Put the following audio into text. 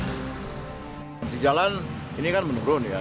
masih jalan ini kan menurun ya